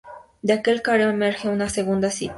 De aquel careo emerge una segunda cita.